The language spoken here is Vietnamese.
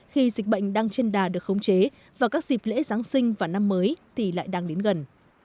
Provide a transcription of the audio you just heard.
khi dịch bệnh đang trên đà được khống chế và các dịp lễ giáng sinh và năm mới thì lại đang đến gần